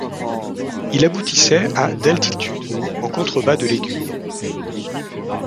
Il aboutissait à d'altitude, en contrebas de l'aiguille.